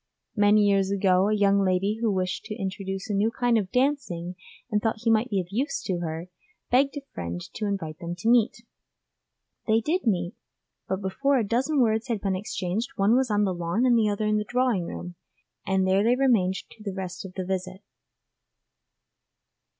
Many years ago, a young lady who wished to introduce a new kind of dancing and thought he might be of use to her, begged a friend to invite them to meet. They did meet, but before a dozen words had been exchanged one was on the lawn and the other in the drawing room, and there they remained to the end of the visit.